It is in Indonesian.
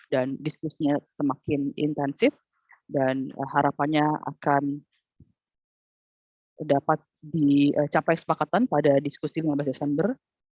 dan diskusinya semakin intensif dan harapannya akan dapat dicapai kesepakatan pada diskusi lima belas desember